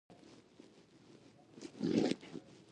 زردالو د افغانستان د ولایاتو په کچه پوره توپیر لري.